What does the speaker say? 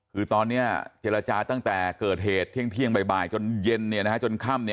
คือตอนนี้เจรจาตั้งแต่เกิดเหตุเที่ยงบ่ายจนเย็นจนค่ำ